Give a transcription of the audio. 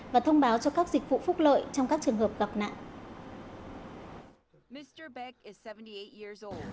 và thông báo cho các dịch vụ phúc lợi trong các trường hợp gặp nạn